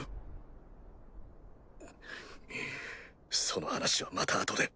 その話はまた後で。